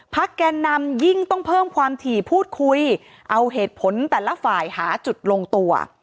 แกนนำยิ่งต้องเพิ่มความถี่พูดคุยเอาเหตุผลแต่ละฝ่ายหาจุดลงตัว